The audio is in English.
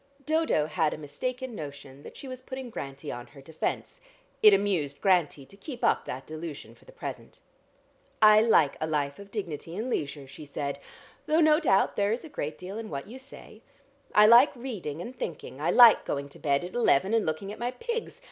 Dodo had a mistaken notion that she was putting Grantie on her defence. It amused Grantie to keep up that delusion for the present. "I like a life of dignity and leisure," she said, "though no doubt there is a great deal in what you say. I like reading and thinking, I like going to bed at eleven and looking at my pigs.